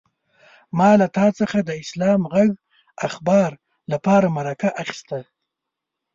ما له تا څخه د اسلام غږ اخبار لپاره مرکه اخيسته.